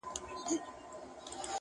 زه خو نه غواړم ژوندون د بې هنبرو،